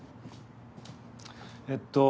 えっと